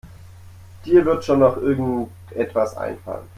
Dir wird schon noch irgendetwas einfallen.